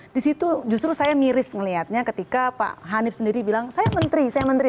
di situ justru saya miris melihatnya ketika pak hanif sendiri bilang saya menteri saya menteri